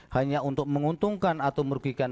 hanya untuk menguntungkan atau merugikan